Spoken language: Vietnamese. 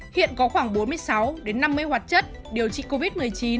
hiện có khoảng bốn mươi sáu năm mươi hoạt chất điều trị covid một mươi chín